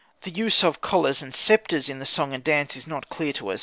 The use of collars and sceptres in the song and dance is not clear to us.